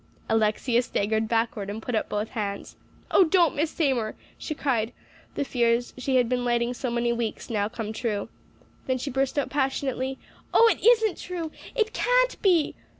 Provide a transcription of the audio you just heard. Alexia staggered backward and put up both hands. "Oh, don't, Miss Seymour," she cried, the fears she had been lighting so many weeks now come true. Then she burst out passionately, "Oh, it isn't true it can't be!"